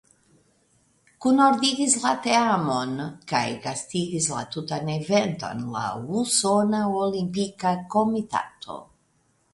Kunordigis la teamon kaj gastigis la tutan eventon la Usona Olimpika Komitato.